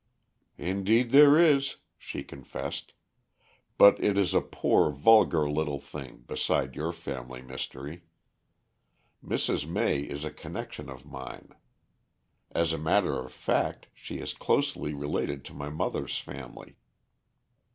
"Indeed there is," she confessed. "But it is a poor, vulgar little thing beside your family mystery. Mrs. May is a connection of mine. As a matter of fact, she is closely related to my mother's family.